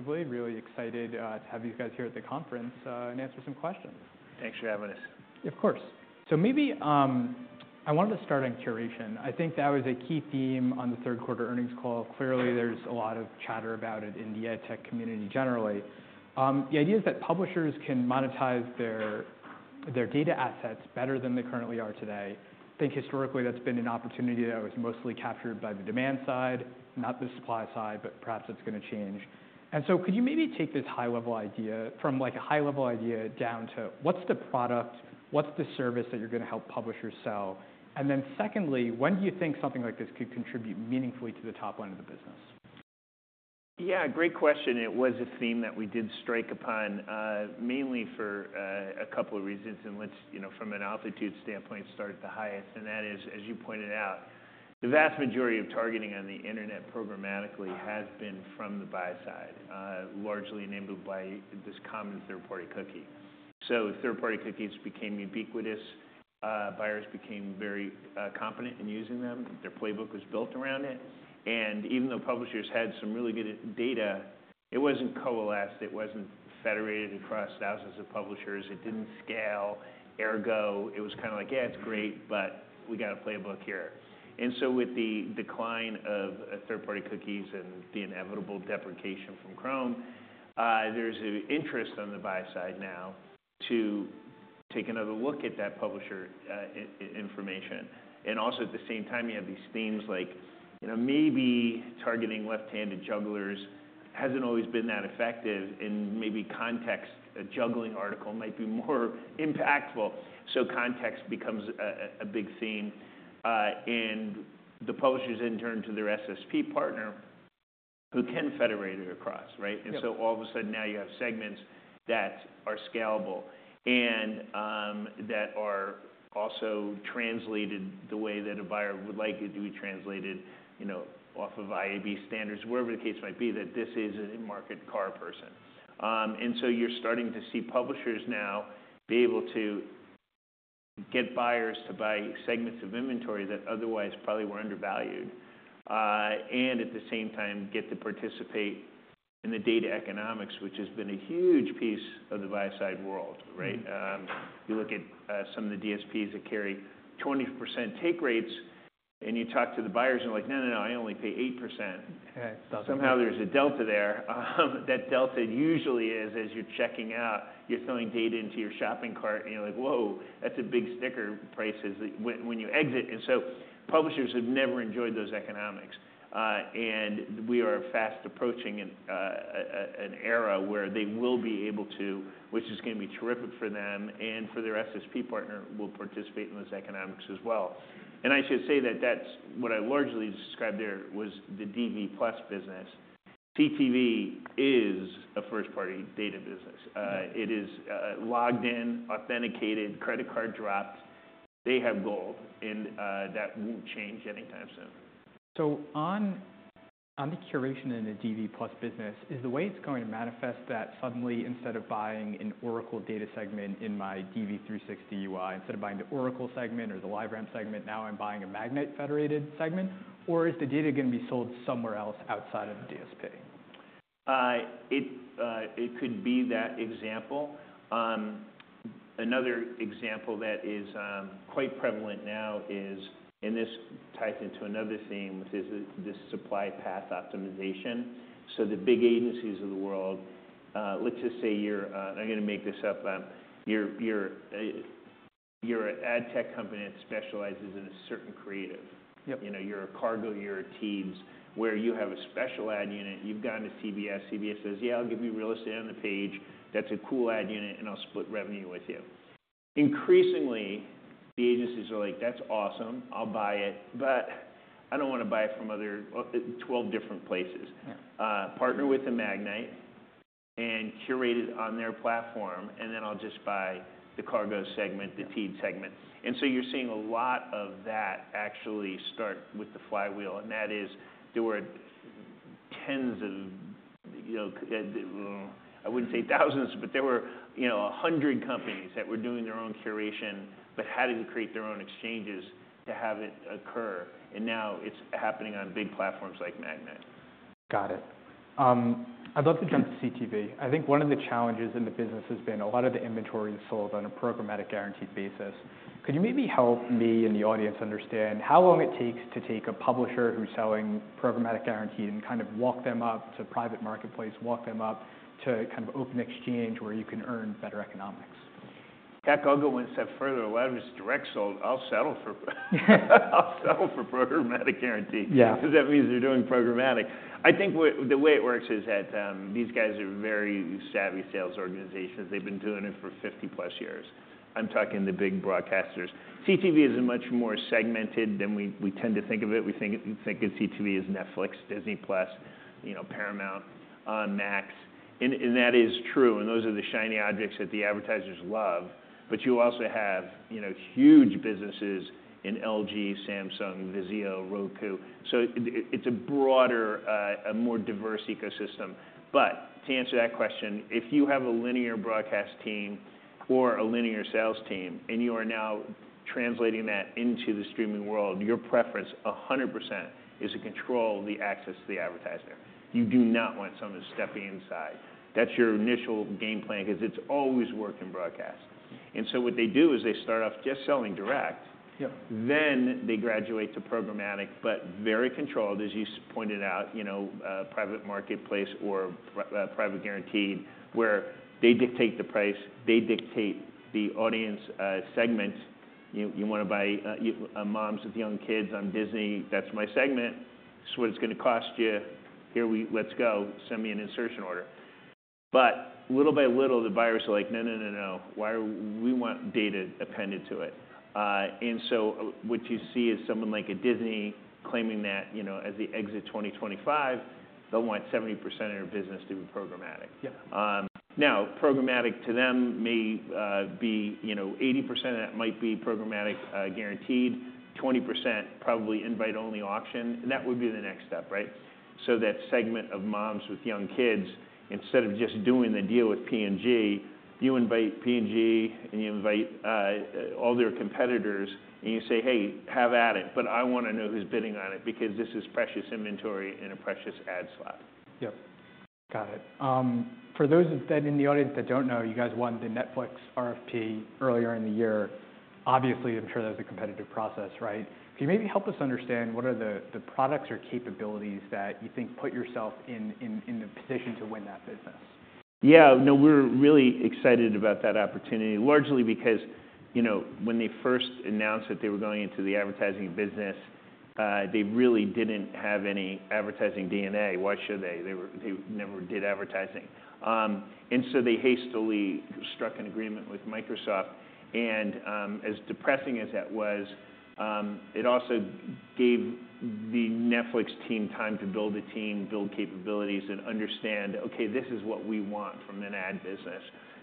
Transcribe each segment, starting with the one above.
I'm really, really excited to have you guys here at the conference and answer some questions. Thanks for having us. Yeah, of course. So maybe I wanted to start on curation. I think that was a key theme on the third quarter earnings call. Clearly, there's a lot of chatter about it in the adtech community generally. The idea is that publishers can monetize their data assets better than they currently are today. I think historically that's been an opportunity that was mostly captured by the demand side, not the supply side, but perhaps that's gonna change. And so could you maybe take this high-level idea from, like, a high-level idea down to what's the product, what's the service that you're gonna help publishers sell? And then secondly, when do you think something like this could contribute meaningfully to the top line of the business? Yeah, great question. It was a theme that we did strike upon, mainly for a couple of reasons. And let's, you know, from an altitude standpoint, start at the highest. And that is, as you pointed out, the vast majority of targeting on the internet programmatically has been from the buy side, largely enabled by this common third-party cookie. So third-party cookies became ubiquitous. Buyers became very competent in using them. Their playbook was built around it. And even though publishers had some really good data, it wasn't coalesced. It wasn't federated across thousands of publishers. It didn't scale ergo. It was kinda like, "Yeah, it's great, but we got a playbook here." And so with the decline of third-party cookies and the inevitable deprecation from Chrome, there's an interest on the buy side now to take another look at that publisher information. And also at the same time, you have these themes like, you know, maybe targeting left-handed jugglers hasn't always been that effective. And maybe context, a juggling article, might be more impactful. So context becomes a big theme. And the publishers turn to their SSP partner, who can federate it across, right? Yeah. And so all of a sudden now you have segments that are scalable and that are also translated the way that a buyer would like it to be translated, you know, off of IAB standards, wherever the case might be, that this is marketplace curation. And so you're starting to see publishers now be able to get buyers to buy segments of inventory that otherwise probably were undervalued. And at the same time, get to participate in the data economics, which has been a huge piece of the buy-side world, right? You look at some of the DSPs that carry 20% take rates, and you talk to the buyers, and they're like, "No, no, no. I only pay 8%. Yeah, it's not the same. Somehow there's a delta there. That delta usually is, as you're checking out, you're throwing data into your shopping cart, and you're like, "Whoa, that's a big sticker prices when you exit." And so publishers have never enjoyed those economics, and we are fast approaching an era where they will be able to, which is gonna be terrific for them, and for their SSP partner will participate in those economics as well. And I should say that that's what I largely described there was the DV+ business. CTV is a first-party data business. It is logged in, authenticated, credit card dropped. They have gold, and that won't change anytime soon. On the curation and the DV+ business, is the way it's going to manifest that suddenly instead of buying an Oracle data segment in my DV360 UI, instead of buying the Oracle segment or the LiveRamp segment, now I'm buying a Magnite federated segment? Or is the data gonna be sold somewhere else outside of the DSP? It could be that example. Another example that is quite prevalent now is, and this ties into another theme, which is the supply path optimization. So the big agencies of the world, let's just say you're. I'm gonna make this up. You're an ad tech company that specializes in a certain creative. Yep. You know, you're a Kargo, you're a Teads, where you have a special ad unit. You've gone to CBS. CBS says, "Yeah, I'll give you real estate on the page. That's a cool ad unit, and I'll split revenue with you." Increasingly, the agencies are like, "That's awesome. I'll buy it, but I don't wanna buy it from other, 12 different places. Yeah. Partner with Magnite and curate it on their platform, and then I'll just buy the Kargo segment, the Teads segment. And so you're seeing a lot of that actually start with the flywheel. And that is, there were tens of, you know, I wouldn't say thousands, but there were, you know, 100 companies that were doing their own curation, but had to create their own exchanges to have it occur. And now it's happening on big platforms like Magnite. Got it. I'd love to jump to CTV. I think one of the challenges in the business has been a lot of the inventory is sold on a programmatic guaranteed basis. Could you maybe help me and the audience understand how long it takes to take a publisher who's selling programmatic guaranteed and kind of walk them up to private marketplace, walk them up to kind of open exchange where you can earn better economics? That Google went a step further. A lot of it's direct sold. I'll settle for, I'll settle for programmatic guaranteed. Yeah. 'Cause that means they're doing programmatic. I think the way it works is that these guys are very savvy sales organizations. They've been doing it for 50+ years. I'm talking the big broadcasters. CTV is much more segmented than we tend to think of it. We think of CTV as Netflix, Disney+, you know, Paramount, Max. And that is true. And those are the shiny objects that the advertisers love. But you also have, you know, huge businesses in LG, Samsung, Vizio, Roku. So it's a broader, more diverse ecosystem. But to answer that question, if you have a linear broadcast team or a linear sales team, and you are now translating that into the streaming world, your preference 100% is to control the access to the advertiser. You do not want someone stepping inside. That's your initial game plan 'cause it's always working broadcast, and so what they do is they start off just selling direct. Yeah. Then they graduate to programmatic, but very controlled, as you pointed out, you know, private marketplace or private guaranteed, where they dictate the price. They dictate the audience segment. You wanna buy moms with young kids on Disney, that's my segment. This is what it's gonna cost you. Here we go. Let's go. Send me an insertion order. But little by little, the buyers are like, "No, no, no, no. Why do we want data appended to it?" and so what you see is someone like Disney claiming that, you know, as we exit 2025, they'll want 70% of their business to be programmatic. Yeah. Now programmatic to them may be, you know, 80% of that might be programmatic guaranteed, 20% probably invite-only auction. And that would be the next step, right? So that segment of moms with young kids, instead of just doing the deal with P&G, you invite P&G, and you invite all their competitors, and you say, "Hey, have at it, but I wanna know who's bidding on it because this is precious inventory in a precious ad slot. Yep. Got it. For those in the audience that don't know, you guys won the Netflix RFP earlier in the year. Obviously, I'm sure that was a competitive process, right? Could you maybe help us understand what are the products or capabilities that you think put yourself in the position to win that business? Yeah. No, we're really excited about that opportunity, largely because, you know, when they first announced that they were going into the advertising business, they really didn't have any advertising DNA. Why should they? They were, they never did advertising, and so they hastily struck an agreement with Microsoft. And, as depressing as that was, it also gave the Netflix team time to build a team, build capabilities, and understand, "Okay, this is what we want from an ad business."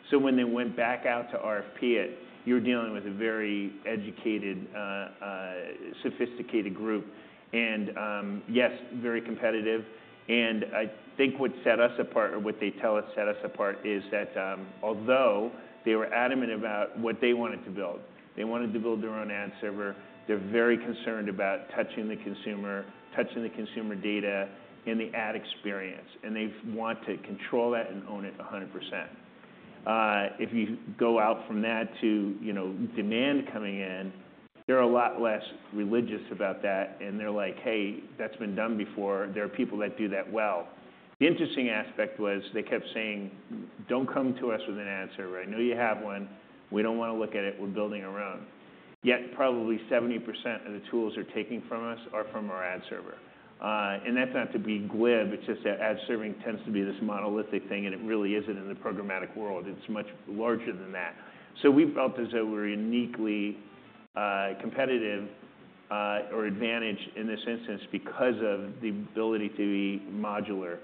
So when they went back out to RFP it, you're dealing with a very educated, sophisticated group. And, yes, very competitive. And I think what set us apart, or what they tell us set us apart, is that, although they were adamant about what they wanted to build, they wanted to build their own ad server. They're very concerned about touching the consumer, touching the consumer data in the ad experience. And they want to control that and own it 100%. If you go out from that to, you know, demand coming in, they're a lot less religious about that. And they're like, "Hey, that's been done before. There are people that do that well." The interesting aspect was they kept saying, "Don't come to us with an ad server. I know you have one. We don't wanna look at it. We're building our own." Yet probably 70% of the tools they're taking from us are from our ad server. And that's not to be glib. It's just that ad serving tends to be this monolithic thing, and it really isn't in the programmatic world. It's much larger than that. So we felt as though we're uniquely, competitive, or advantaged in this instance because of the ability to be modular.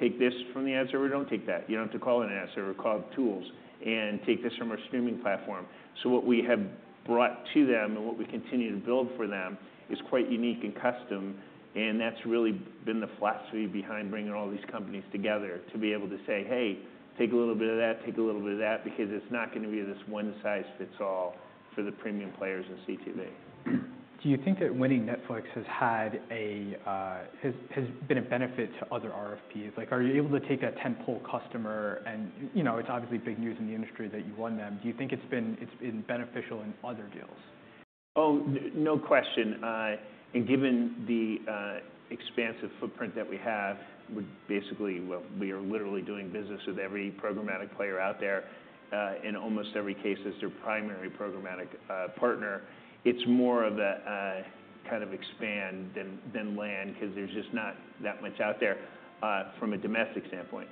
Take this from the ad server. Don't take that. You don't have to call it an ad server. Call it tools. And take this from our streaming platform. So what we have brought to them and what we continue to build for them is quite unique and custom. And that's really been the philosophy behind bringing all these companies together to be able to say, "Hey, take a little bit of that. Take a little bit of that," because it's not gonna be this one-size-fits-all for the premium players in CTV. Do you think that winning Netflix has had a, has been a benefit to other RFPs? Like, are you able to take a halo customer and, you know, it's obviously big news in the industry that you won them. Do you think it's been beneficial in other deals? Oh, no question, and given the expansive footprint that we have, we're basically, well, we are literally doing business with every programmatic player out there, in almost every case as their primary programmatic partner. It's more of a kind of expand than land 'cause there's just not that much out there, from a domestic standpoint,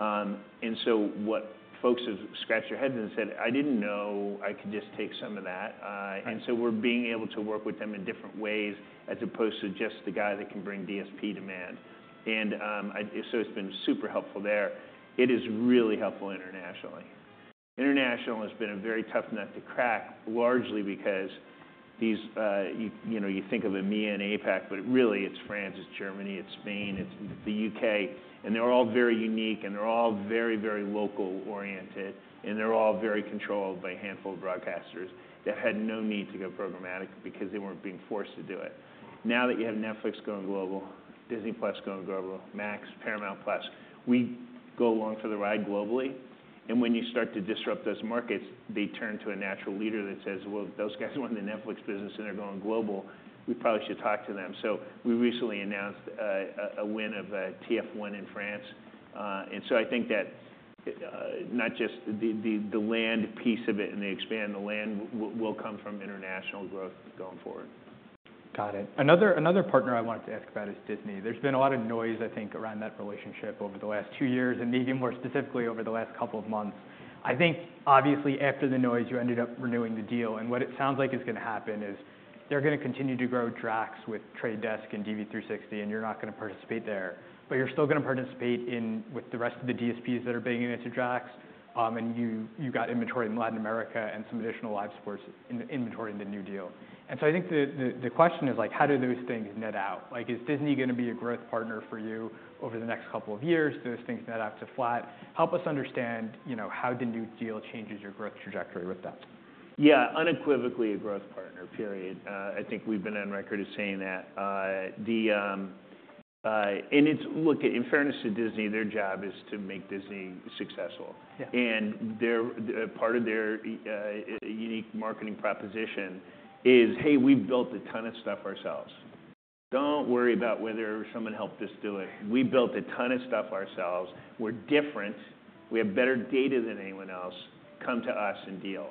and so what folks have scratched their heads and said, "I didn't know I could just take some of that. Yeah. And so we're being able to work with them in different ways as opposed to just the guy that can bring DSP demand. And I so it's been super helpful there. It is really helpful internationally. International has been a very tough nut to crack, largely because these, you know, you think of a EMEA and APAC, but really it's France, it's Germany, it's Spain, it's the UK. And they're all very unique, and they're all very, very local-oriented, and they're all very controlled by a handful of broadcasters that had no need to go programmatic because they weren't being forced to do it. Now that you have Netflix going global, Disney+ going global, Max, Paramount+, we go along for the ride globally. When you start to disrupt those markets, they turn to a natural leader that says, "Well, those guys want the Netflix business, and they're going global. We probably should talk to them." So we recently announced a win of TF1 in France, and so I think that not just the land piece of it and the expand the land will come from international growth going forward. Got it. Another, another partner I wanted to ask about is Disney. There's been a lot of noise, I think, around that relationship over the last two years, and maybe more specifically over the last couple of months. I think, obviously, after the noise, you ended up renewing the deal. And what it sounds like is gonna happen is they're gonna continue to grow DRAX with Trade Desk and DV360, and you're not gonna participate there. But you're still gonna participate in with the rest of the DSPs that are bringing it to DRAX, and you, you got inventory in Latin America and some additional live sports in the inventory in the new deal. And so I think the, the, the question is, like, how do those things net out? Like, is Disney gonna be a growth partner for you over the next couple of years? Do those things net out to flat? Help us understand, you know, how the new deal changes your growth trajectory with them. Yeah. Unequivocally a growth partner, period. I think we've been on record as saying that. And it's, look, in fairness to Disney, their job is to make Disney successful. Yeah. And part of their unique marketing proposition is, "Hey, we've built a ton of stuff ourselves. Don't worry about whether someone helped us do it. We built a ton of stuff ourselves. We're different. We have better data than anyone else. Come to us and deal."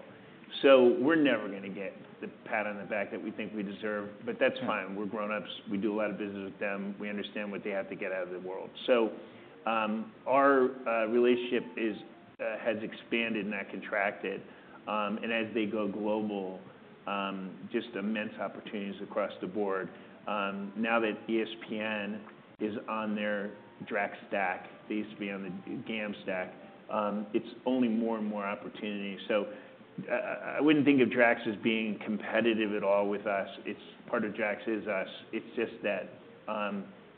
So we're never gonna get the pat on the back that we think we deserve. But that's fine. We're grown-ups. We do a lot of business with them. We understand what they have to get out of the world. So our relationship has expanded and that contracted. And as they go global, just immense opportunities across the board. Now that ESPN is on their DRAX stack, they used to be on the GAM stack. It's only more and more opportunity. So I wouldn't think of DRAX as being competitive at all with us. Part of DRAX is us. It's just that,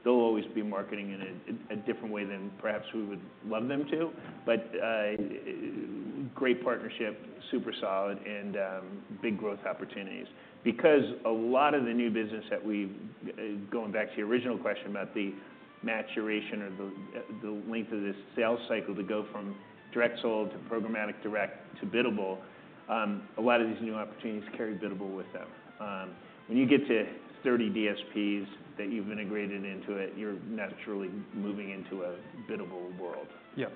they'll always be marketing in a different way than perhaps we would love them to. But great partnership, super solid, and big growth opportunities. Because a lot of the new business that we've going back to your original question about the maturation or the length of this sales cycle to go from direct sold to programmatic direct to biddable, a lot of these new opportunities carry biddable with them. When you get to 30 DSPs that you've integrated into it, you're naturally moving into a biddable world. Yep.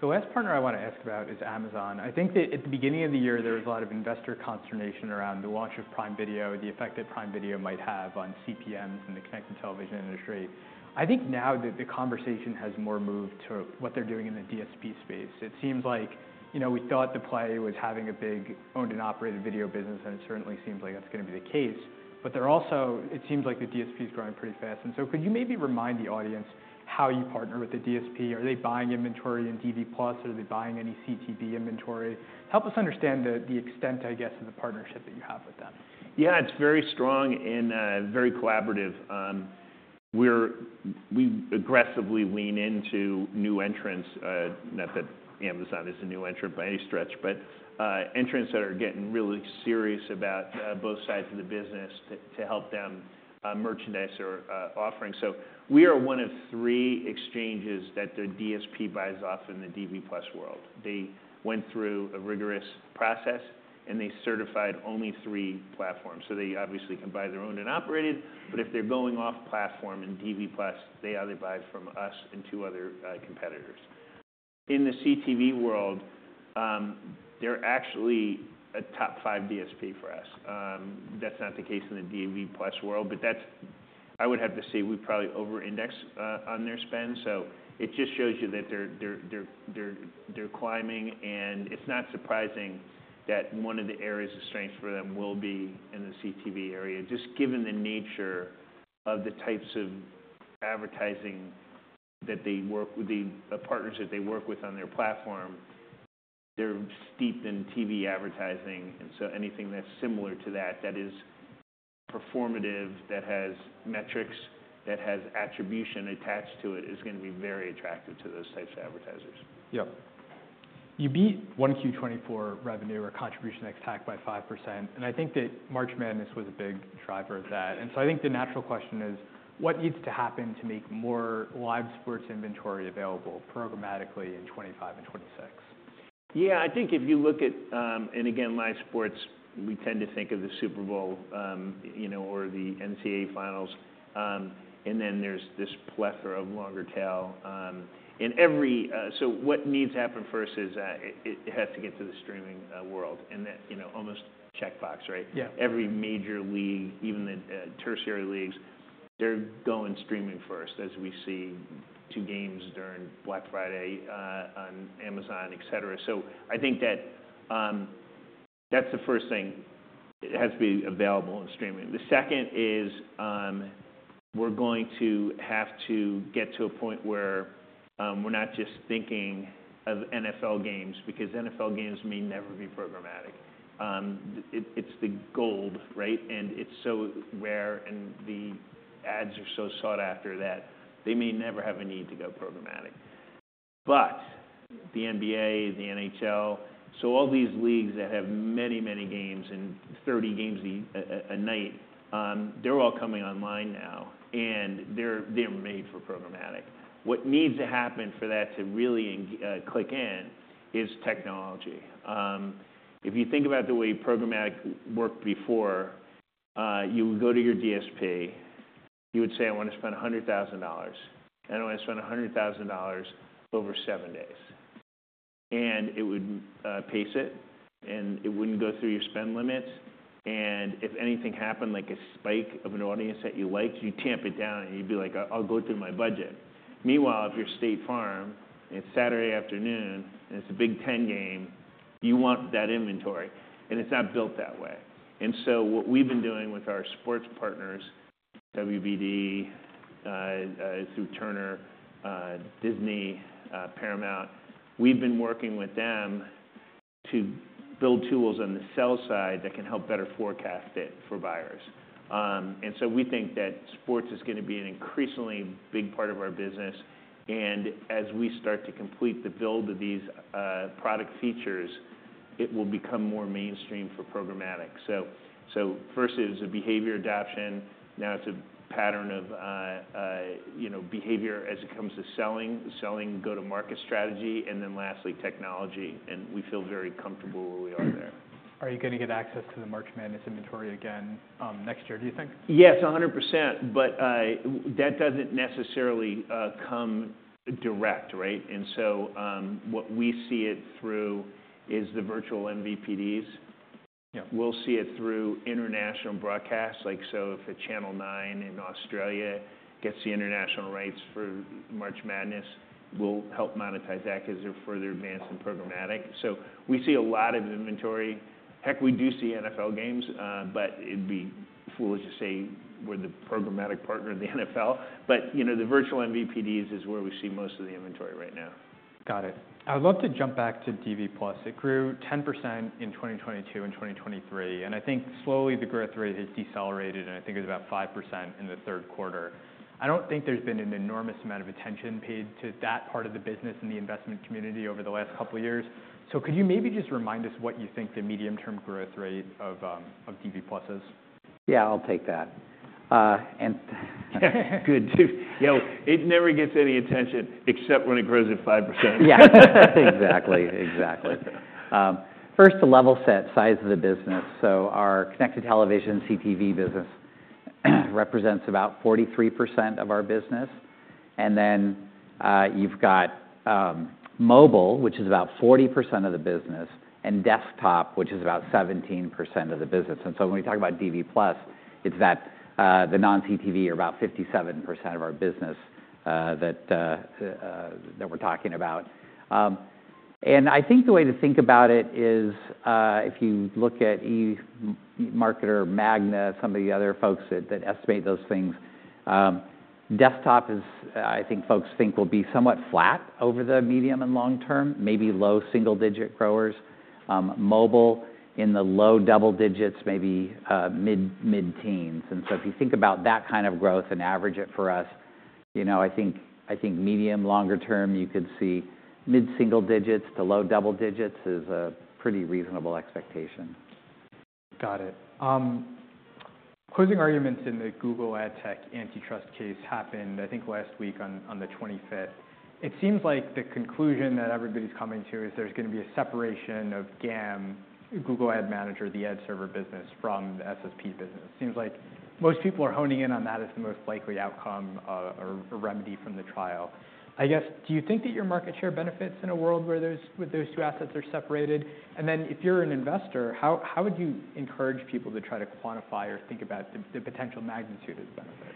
The last partner I wanna ask about is Amazon. I think that at the beginning of the year, there was a lot of investor consternation around the launch of Prime Video, the effect that Prime Video might have on CPMs and the connected television industry. I think now that the conversation has more moved to what they're doing in the DSP space. It seems like, you know, we thought the play was having a big owned and operated video business, and it certainly seems like that's gonna be the case. But they're also, it seems like the DSP's growing pretty fast. And so could you maybe remind the audience how you partner with the DSP? Are they buying inventory in DV+? Are they buying any CTV inventory? Help us understand the extent, I guess, of the partnership that you have with them. Yeah. It's very strong and very collaborative. We aggressively lean into new entrants, not that Amazon is a new entrant by any stretch, but entrants that are getting really serious about both sides of the business to help them merchandise or offering. So we are one of three exchanges that the DSP buys off in the DV+ world. They went through a rigorous process, and they certified only three platforms. So they obviously can buy their own and operate it. But if they're going off platform in DV+, they either buy from us and two other competitors. In the CTV world, they're actually a top five DSP for us. That's not the case in the DV+ world, but that's. I would have to say we probably over-index on their spend. So it just shows you that they're climbing. And it's not surprising that one of the areas of strength for them will be in the CTV area, just given the nature of the types of advertising that they work with, the partners that they work with on their platform. They're steeped in TV advertising. And so anything that's similar to that, that is performative, that has metrics, that has attribution attached to it, is gonna be very attractive to those types of advertisers. Yep. You beat 1Q24 revenue or contribution ex-TAC by 5%. And I think that March Madness was a big driver of that. And so I think the natural question is, what needs to happen to make more live sports inventory available programmatically in 2025 and 2026? Yeah. I think if you look at, and again, live sports, we tend to think of the Super Bowl, you know, or the NCAA finals. Then there's this plethora of long tail. So what needs to happen first is it has to get to the streaming world. And that, you know, almost checkbox, right? Yeah. Every major league, even the tertiary leagues, they're going streaming first as we see two games during Black Friday, on Amazon, etc. So I think that, that's the first thing. It has to be available in streaming. The second is, we're going to have to get to a point where, we're not just thinking of NFL games because NFL games may never be programmatic. It, it's the gold, right? And it's so rare, and the ads are so sought after that they may never have a need to go programmatic. But the NBA, the NHL, so all these leagues that have many, many games and 30 games a night, they're all coming online now, and they're made for programmatic. What needs to happen for that to really engage in is technology. If you think about the way programmatic worked before, you would go to your DSP. You would say, "I wanna spend $100,000. I don't wanna spend $100,000 over seven days." And it would pace it, and it wouldn't go through your spend limit. And if anything happened, like a spike of an audience that you liked, you'd tamp it down, and you'd be like, "I'll go through my budget." Meanwhile, if you're State Farm, it's Saturday afternoon, and it's a Big Ten game, you want that inventory. And it's not built that way. And so what we've been doing with our sports partners, WBD, through Turner, Disney, Paramount, we've been working with them to build tools on the sell-side that can help better forecast it for buyers, and so we think that sports is gonna be an increasingly big part of our business. And as we start to complete the build of these product features, it will become more mainstream for programmatic. So, first it was a behavior adoption. Now it's a pattern of, you know, behavior as it comes to selling go-to-market strategy, and then lastly, technology. And we feel very comfortable where we are there. Are you gonna get access to the March Madness inventory again, next year, do you think? Yes, 100%. But that doesn't necessarily come direct, right? And so, what we see it through is the virtual MVPDs. Yeah. We'll see it through international broadcast. Like, so if a Channel 9 in Australia gets the international rights for March Madness, we'll help monetize that 'cause they're further advanced in programmatic. So we see a lot of inventory. Heck, we do see NFL games, but it'd be foolish to say we're the programmatic partner of the NFL. But, you know, the virtual MVPDs is where we see most of the inventory right now. Got it. I'd love to jump back to DV+. It grew 10% in 2022 and 2023. And I think slowly the growth rate has decelerated, and I think it was about 5% in the third quarter. I don't think there's been an enormous amount of attention paid to that part of the business and the investment community over the last couple of years. So could you maybe just remind us what you think the medium-term growth rate of DV+ is? Yeah, I'll take that and good. You know, it never gets any attention except when it grows at 5%. Yeah. Exactly. Exactly. First, to level set size of the business. So our connected television CTV business represents about 43% of our business. And then, you've got, mobile, which is about 40% of the business, and desktop, which is about 17% of the business. And so when we talk about DV+, it's that, the non-CTV are about 57% of our business, that, that we're talking about. I think the way to think about it is, if you look at eMarketer or Magna, some of the other folks that, that estimate those things, desktop is, I think folks think will be somewhat flat over the medium and long-term, maybe low single-digit growth. Mobile in the low double digits, maybe, mid, mid-teens. If you think about that kind of growth and average it for us, you know, I think medium-longer term, you could see mid-single digits to low double digits is a pretty reasonable expectation. Got it. Closing arguments in the Google Ad Tech antitrust case happened, I think, last week on the 25th. It seems like the conclusion that everybody's coming to is there's gonna be a separation of GAM, Google Ad Manager, the ad server business, from the SSP business. Seems like most people are honing in on that as the most likely outcome, or a remedy from the trial. I guess, do you think that your market share benefits in a world where those two assets are separated? And then if you're an investor, how would you encourage people to try to quantify or think about the potential magnitude of the benefit?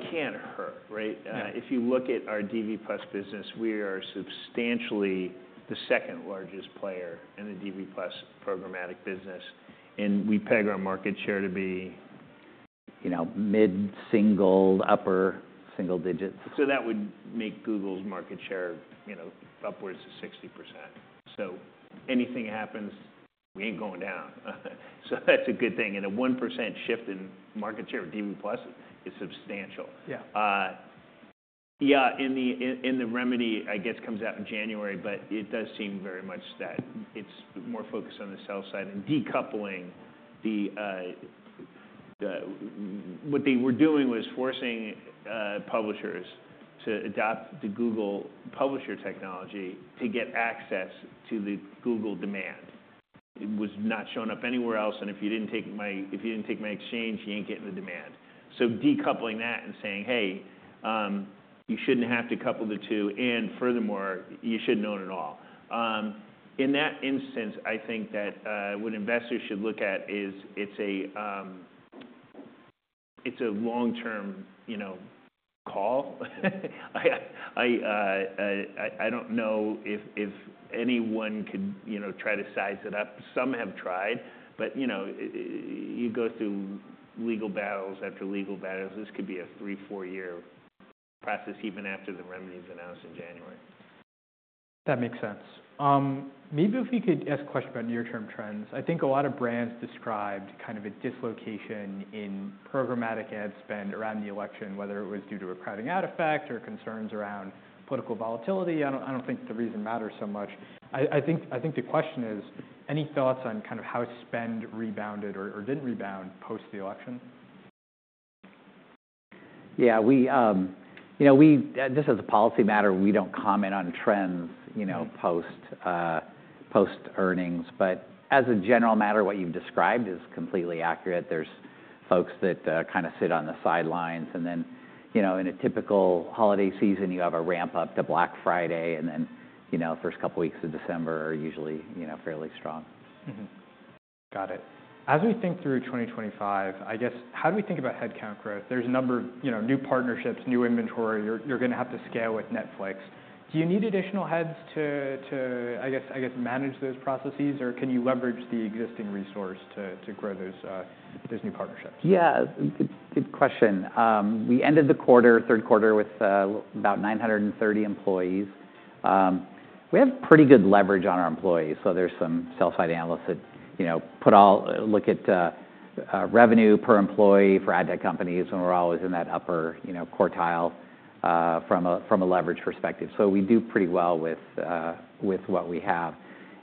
It can't hurt, right? If you look at our DV+ business, we are substantially the second largest player in the DV+ programmatic business. We peg our market share to be, you know, mid-single, upper single digits. That would make Google's market share, you know, upwards of 60%. Anything happens, we ain't going down. That's a good thing. A 1% shift in market share of DV+ is substantial. Yeah. Yeah. In the remedy, I guess, comes out in January, but it does seem very much that it's more focused on the sell side and decoupling the what they were doing was forcing publishers to adopt the Google Publisher technology to get access to the Google demand. It was not showing up anywhere else. And if you didn't take my exchange, you ain't getting the demand. So decoupling that and saying, "Hey, you shouldn't have to couple the two." And furthermore, you shouldn't own it all. In that instance, I think that what investors should look at is it's a long-term, you know, call. I don't know if anyone could, you know, try to size it up. Some have tried, but, you know, you go through legal battles after legal battles. This could be a three, four-year process even after the remedy's announced in January. That makes sense. Maybe if we could ask a question about near-term trends. I think a lot of brands described kind of a dislocation in programmatic ad spend around the election, whether it was due to a crowding-out effect or concerns around political volatility. I don't think the reason matters so much. I think the question is, any thoughts on kind of how spend rebounded or didn't rebound post the election? Yeah. We, you know, just as a policy matter, we don't comment on trends, you know, post-earnings. But as a general matter, what you've described is completely accurate. There's folks that kind of sit on the sidelines. And then, you know, in a typical holiday season, you have a ramp up to Black Friday. And then, you know, first couple of weeks of December are usually, you know, fairly strong. Mm-hmm. Got it. As we think through 2025, I guess, how do we think about headcount growth? There's a number of, you know, new partnerships, new inventory. You're gonna have to scale with Netflix. Do you need additional heads to, I guess, manage those processes, or can you leverage the existing resource to grow those new partnerships? Yeah. Good, good question. We ended the quarter, third quarter, with about 930 employees. We have pretty good leverage on our employees. So there's some sell-side analysts that, you know, put all, look at revenue per employee for ad tech companies when we're always in that upper, you know, quartile, from a, from a leverage perspective. So we do pretty well with, with what we have.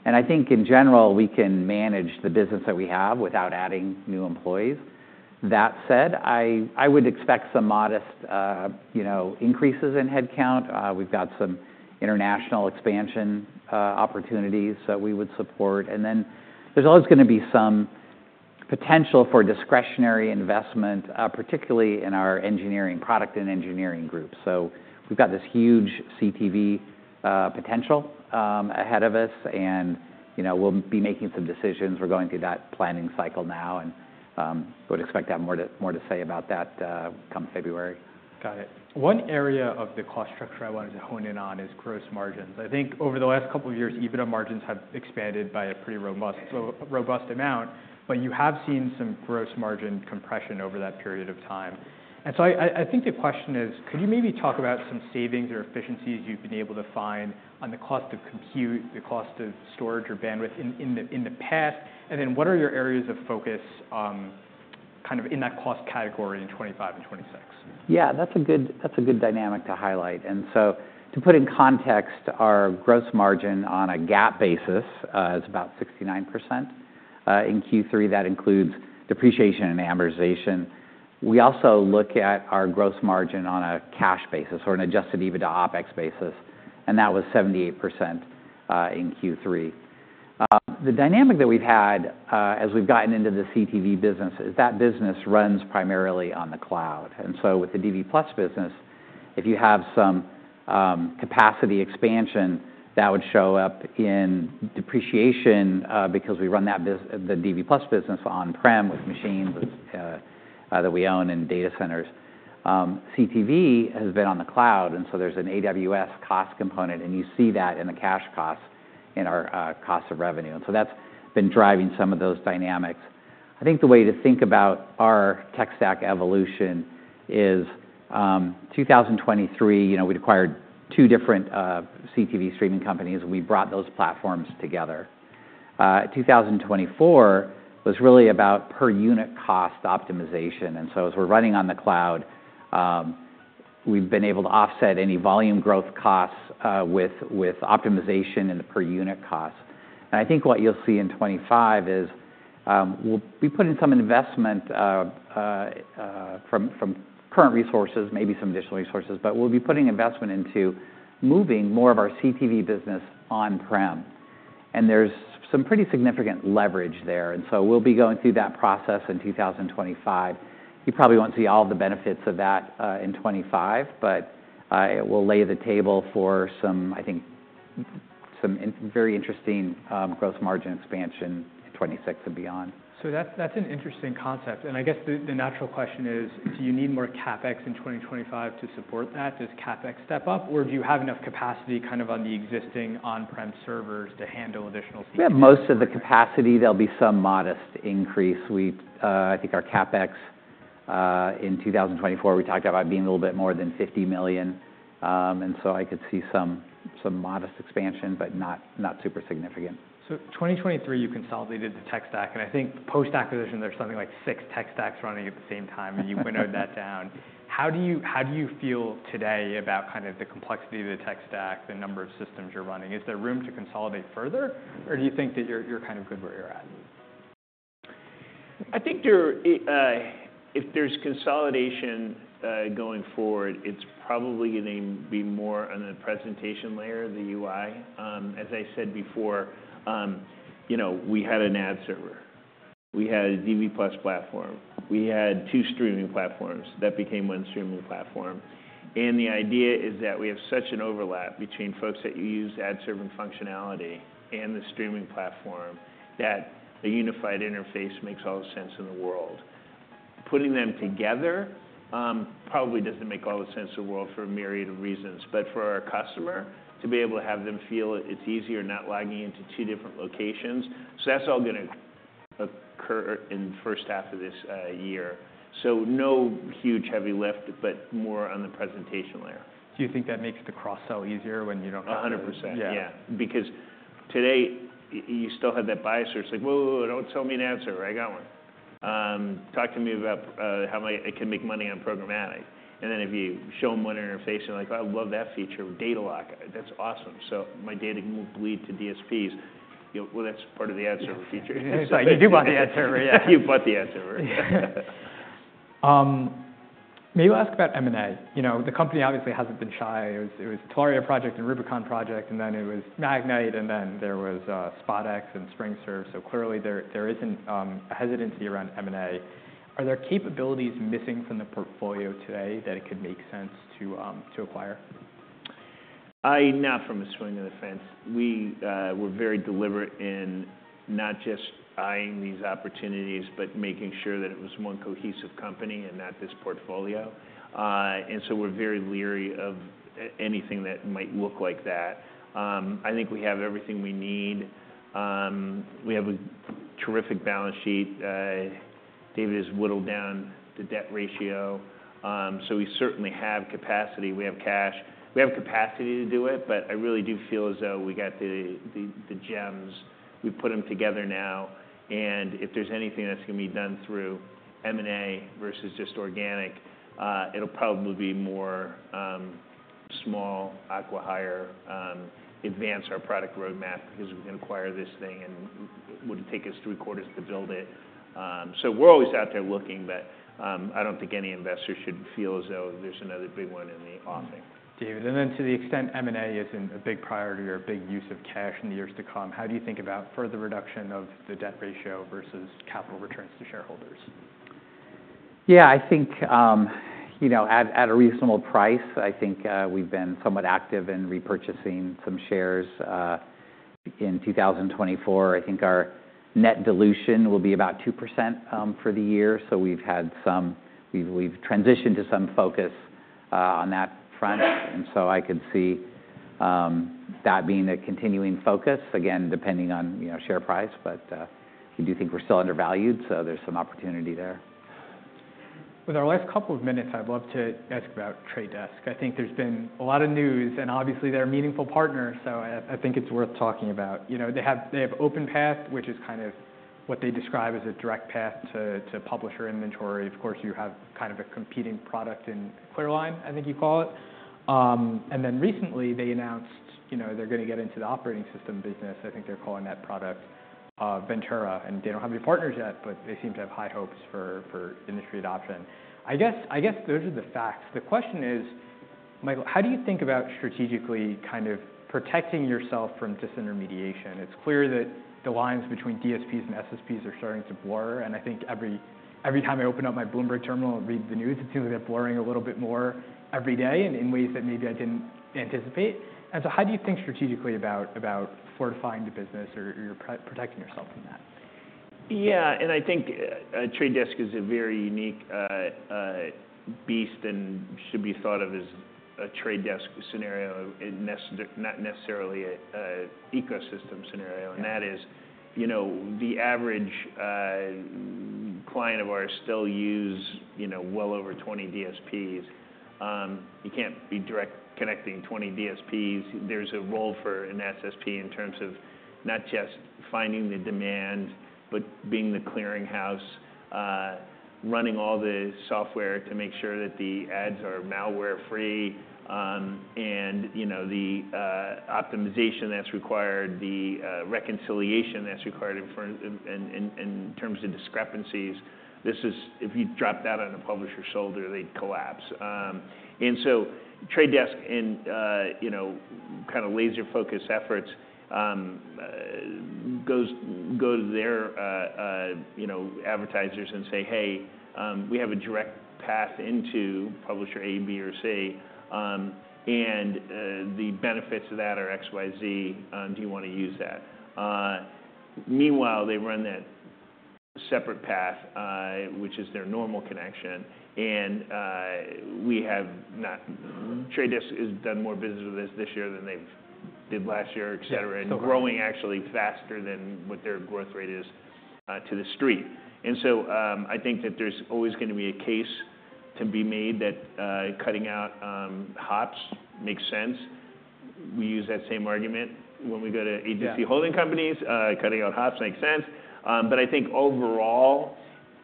And I think in general, we can manage the business that we have without adding new employees. That said, I, I would expect some modest, you know, increases in headcount. We've got some international expansion opportunities that we would support. And then there's always gonna be some potential for discretionary investment, particularly in our engineering product and engineering group. So we've got this huge CTV potential ahead of us. And, you know, we'll be making some decisions. We're going through that planning cycle now. I would expect to have more to say about that, come February. Got it. One area of the cost structure I wanted to hone in on is gross margins. I think over the last couple of years, EBITDA margins have expanded by a pretty robust amount. But you have seen some gross margin compression over that period of time. And so I think the question is, could you maybe talk about some savings or efficiencies you've been able to find on the cost of compute, the cost of storage or bandwidth in the past? And then what are your areas of focus, kind of in that cost category in 2025 and 2026? Yeah. That's a good, that's a good dynamic to highlight. And so to put in context, our gross margin on a GAAP basis is about 69% in Q3. That includes depreciation and amortization. We also look at our gross margin on a cash basis or an adjusted EBITDA OpEx basis. And that was 78% in Q3. The dynamic that we've had, as we've gotten into the CTV business is that business runs primarily on the cloud. And so with the DV+ business, if you have some capacity expansion, that would show up in depreciation, because we run that bus, the DV+ business on-prem with machines that we own and data centers. CTV has been on the cloud. And so there's an AWS cost component. And you see that in the cash costs in our cost of revenue. And so that's been driving some of those dynamics. I think the way to think about our tech stack evolution is 2023. You know, we'd acquired two different CTV streaming companies. We brought those platforms together. 2024 was really about per-unit cost optimization. So as we're running on the cloud, we've been able to offset any volume growth costs with optimization and the per-unit costs. I think what you'll see in 2025 is we'll be putting some investment from current resources, maybe some additional resources. We'll be putting investment into moving more of our CTV business on-prem. There's some pretty significant leverage there. We'll be going through that process in 2025. You probably won't see all of the benefits of that in 2025. It will lay the table for some, I think, some very interesting gross margin expansion in 2026 and beyond. That's an interesting concept. I guess the natural question is, do you need more CapEx in 2025 to support that? Does CapEx step up? Or do you have enough capacity kind of on the existing on-prem servers to handle additional CTV? We have most of the capacity. There'll be some modest increase. We, I think our CapEx, in 2024, we talked about being a little bit more than $50 million, and so I could see some, some modest expansion, but not, not super significant. In 2023, you consolidated the tech stack. I think post-acquisition, there's something like six tech stacks running at the same time. You winnowed that down. How do you feel today about kind of the complexity of the tech stack, the number of systems you're running? Is there room to consolidate further? Or do you think that you're kind of good where you're at? I think there are, if there's consolidation going forward, it's probably gonna be more on the presentation layer, the UI. As I said before, you know, we had an ad server. We had a DV+ platform. We had two streaming platforms. That became one streaming platform. And the idea is that we have such an overlap between folks that use ad serving functionality and the streaming platform that a unified interface makes all the sense in the world. Putting them together probably doesn't make all the sense in the world for a myriad of reasons. But for our customer, to be able to have them feel it's easier not logging into two different locations. So that's all gonna occur in the first half of this year. So no huge heavy lift, but more on the presentation layer. Do you think that makes the cross-sell easier when you don't have to? 100%. Yeah. Because today, you still have that bias where it's like, "Whoa, whoa, whoa. Don't sell me an ad server. I got one. Talk to me about, how I can make money on programmatic." And then if you show them one interface, you're like, "I love that feature, DataLock. That's awesome. So my data can bleed to DSPs." You go, "Well, that's part of the ad server feature. Exactly. You do buy the ad server, yeah. You bought the ad server. Maybe I'll ask about M&A. You know, the company obviously hasn't been shy. It was Telaria and Rubicon Project. And then it was Magnite. And then there was SpotX and SpringServe. So clearly there isn't a hesitancy around M&A. Are there capabilities missing from the portfolio today that it could make sense to acquire? I'm not sitting on the fence. We were very deliberate in not just eyeing these opportunities, but making sure that it was one cohesive company and not this portfolio, so we're very leery of anything that might look like that. I think we have everything we need. We have a terrific balance sheet. David has whittled down the debt ratio, so we certainly have capacity. We have cash. We have capacity to do it. But I really do feel as though we got the gems. We put them together now. If there's anything that's gonna be done through M&A versus just organic, it'll probably be more small acqui-hires to advance our product roadmap because we can acquire this thing. Would it take us three quarters to build it? We're always out there looking. But, I don't think any investor should feel as though there's another big one in the offing. David, and then to the extent M&A isn't a big priority or a big use of cash in the years to come, how do you think about further reduction of the debt ratio versus capital returns to shareholders? Yeah. I think, you know, at a reasonable price, I think, we've been somewhat active in repurchasing some shares. In 2024, I think our net dilution will be about 2%, for the year. So we've had some, we've transitioned to some focus on that front. And so I could see that being a continuing focus, again, depending on, you know, share price. But I do think we're still undervalued. So there's some opportunity there. With our last couple of minutes, I'd love to ask about Trade Desk. I think there's been a lot of news. And obviously, they're a meaningful partner. So I, I think it's worth talking about. You know, they have, they have OpenPath, which is kind of what they describe as a direct path to, to publisher inventory. Of course, you have kind of a competing product in ClearLine, I think you call it. And then recently, they announced, you know, they're gonna get into the operating system business. I think they're calling that product, Ventura. And they don't have any partners yet. But they seem to have high hopes for, for industry adoption. I guess, I guess those are the facts. The question is, Michael, how do you think about strategically kind of protecting yourself from disintermediation? It's clear that the lines between DSPs and SSPs are starting to blur. And I think every time I open up my Bloomberg terminal and read the news, it seems like they're blurring a little bit more every day and in ways that maybe I didn't anticipate. And so how do you think strategically about fortifying the business or you're protecting yourself from that? Yeah, and I think Trade Desk is a very unique beast and should be thought of as a Trade Desk scenario and not necessarily an ecosystem scenario. And that is, you know, the average client of ours still uses, you know, well over 20 DSPs. You can't be direct connecting 20 DSPs. There's a role for an SSP in terms of not just finding the demand, but being the clearinghouse, running all the software to make sure that the ads are malware-free. And, you know, the optimization that's required, the reconciliation that's required in terms of discrepancies. This is, if you drop that on a publisher's shoulder, they collapse. And so Trade Desk and, you know, kind of laser-focused efforts go to their, you know, advertisers and say, "Hey, we have a direct path into publisher A, B, or C. And the benefits of that are X, Y, Z. Do you want to use that?" Meanwhile, they run that separate path, which is their normal connection. And we have not. The Trade Desk has done more business with us this year than they did last year, etc. So. Growing actually faster than what their growth rate is to the street. So, I think that there's always gonna be a case to be made that cutting out hops makes sense. We use that same argument when we go to agency holding companies. Cutting out hops makes sense. But I think overall,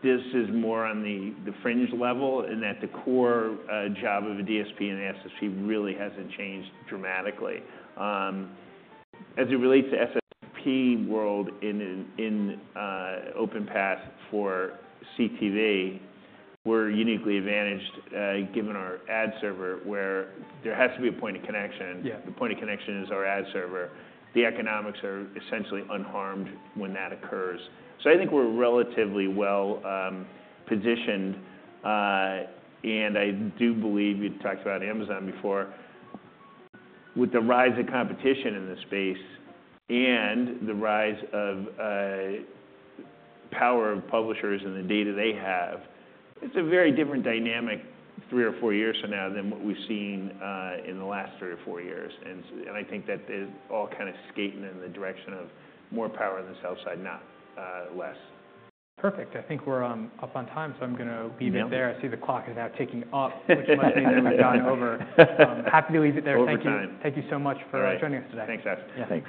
this is more on the fringe level in that the core job of a DSP and SSP really hasn't changed dramatically. As it relates to SSP world in OpenPath for CTV, we're uniquely advantaged, given our ad server where there has to be a point of connection. Yeah. The point of connection is our ad server. The economics are essentially unharmed when that occurs, so I think we're relatively well positioned, and I do believe you talked about Amazon before. With the rise of competition in this space and the rise of power of publishers and the data they have, it's a very different dynamic three or four years from now than what we've seen in the last three or four years, and I think that they're all kind of skating in the direction of more power on the sell side, not less. Perfect. I think we're up on time. So I'm gonna leave it there. I see the clock is now ticking up, which might mean that we've gone over. Happy to leave it there. Thank you. One more time. Thank you so much for joining us today. Thanks, guys. Yeah. Thanks.